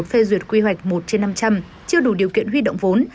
phê duyệt quy hoạch một trên năm trăm linh chưa đủ điều kiện huy động vốn